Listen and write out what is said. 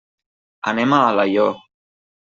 Anem a Alaior.